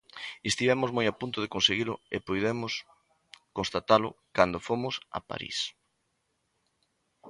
Estivemos moi a punto de conseguilo e puidemos constatalo cando fomos a París.